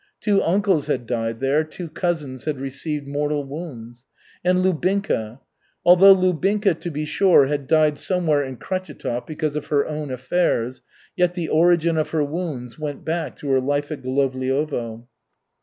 Two uncles had died there, two cousins had received mortal wounds. And Lubinka! Although Lubinka, to be sure, had died somewhere in Kretchetov because of her "own affairs," yet the origin of her wounds went back to her life at Golovliovo.